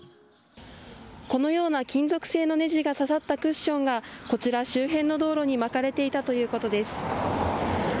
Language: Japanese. このような金属製のネジが刺さったクッションが周辺の道路にまかれていたということです。